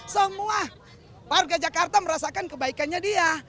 semua warga jakarta merasakan kebaikannya dia